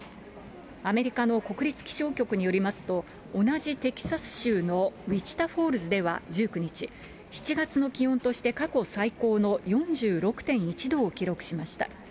アメリカの国立気象局によりますと、同じテキサス州のウィチタフォールズでは、１９日、７月の気温として過去最高の４６．１度を記録しました。